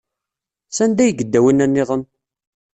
Sanda ay yedda winna niḍen?